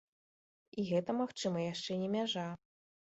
І гэта, магчыма, яшчэ не мяжа.